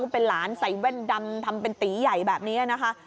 เป็นหลานใส่แว่นดำทำเป็นตีใหญ่แบบนี้นะคะ